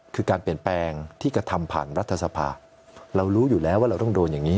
คือการเปลี่ยนแปลงที่กระทำผ่านรัฐสภาเรารู้อยู่แล้วว่าเราต้องโดนอย่างนี้